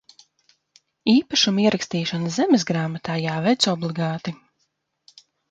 Īpašuma ierakstīšana zemesgrāmatā jāveic obligāti.